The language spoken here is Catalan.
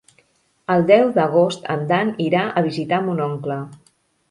El deu d'agost en Dan irà a visitar mon oncle.